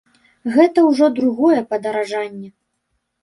Гэта ўжо другое падаражанне.